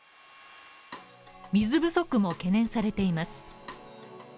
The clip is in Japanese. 水不足も懸念されています。